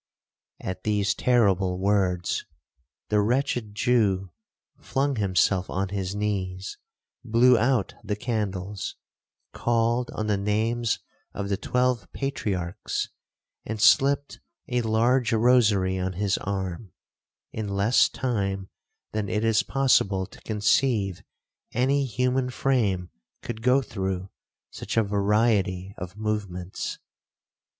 At these terrible words, the wretched Jew flung himself on his knees, blew out the candles, called on the names of the twelve patriarchs, and slipped a large rosary on his arm, in less time than it is possible to conceive any human frame could go through such a variety of movements.